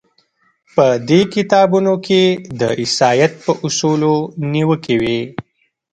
په دې کتابونو کې د عیسایت په اصولو نیوکې وې.